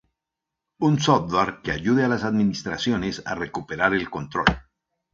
un software que ayude a las administraciones a recuperar el control